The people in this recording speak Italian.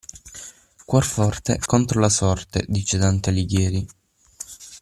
Cuor forte contro la sorte, dice Dante Alighieri.